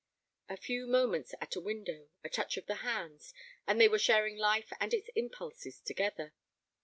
A few moments at a window, a touch of the hands, and they were sharing life and its impulses together.